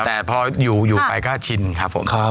แต่พออยู่ไปก็ชินครับผม